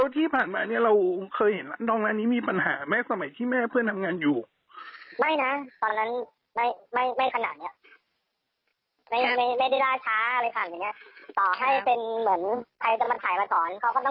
มีโอกาสได้ดูคลิปมั้ยครับที่ชาวเหง็ดเข้ามาโพสต์